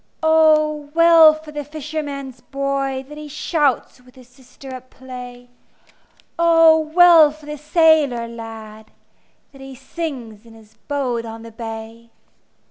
O well for the fisherman's boy, That he shouts with his sister at play! O well for the sailor lad, That he sings in his boat on the bay!